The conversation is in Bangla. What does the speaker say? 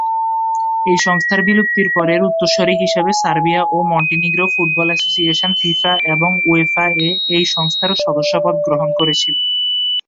এই সংস্থার বিলুপ্তির পর এর উত্তরসূরি হিসেবে সার্বিয়া ও মন্টিনিগ্রো ফুটবল অ্যাসোসিয়েশন ফিফা এবং উয়েফা-এ এই সংস্থার সদস্যপদ গ্রহণ করেছিল।